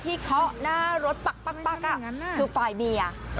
ที่เคาะหน้ารถปั๊กปั๊กปั๊กอ่ะคือฝ่ายเบียร์อ่า